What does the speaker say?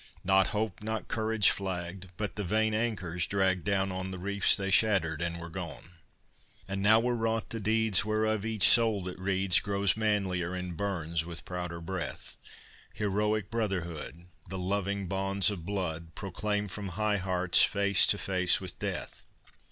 Not hope, not courage flagged; But the vain anchors dragged, Down on the reefs they shattered, and were gone! And now were wrought the deeds Whereof each soul that reads Grows manlier, and burns with prouder breath, Heroic brotherhood, The loving bonds of blood, Proclaimed from high hearts face to face with death.